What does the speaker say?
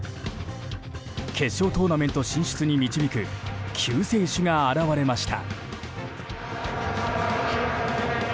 決勝トーナメント進出に導く救世主が現れました。